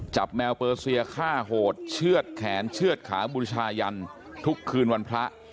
แมวเปอร์เซียฆ่าโหดเชื่อดแขนเชื่อดขาบูชายันทุกคืนวันพระ